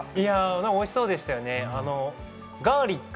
おいしそうでした。